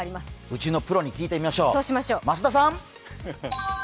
うちのプロに聞いてみましょう、増田さん。